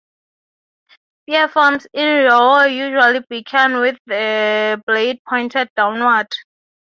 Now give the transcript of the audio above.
Spear forms in Riau usually begin with the blade pointed downward.